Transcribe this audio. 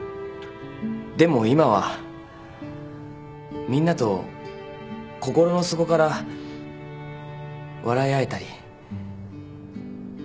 でも今はみんなと心の底から笑い合えたり。